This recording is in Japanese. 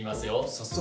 早速？